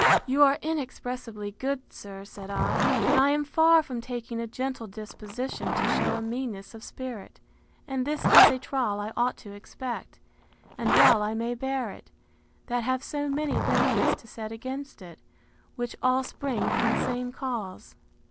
You are inexpressibly good, sir, said I; but I am far from taking a gentle disposition to shew a meanness of spirit: And this is a trial I ought to expect; and well I may bear it, that have so many benefits to set against it, which all spring from the same cause.